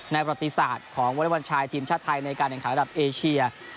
ประติศาสตร์ของวอเล็กบอลชายทีมชาติไทยในการแข่งขันระดับเอเชีย